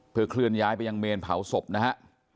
เพื่อเคลื่อนย้ายไปยังเมนเผาศพนะฮะ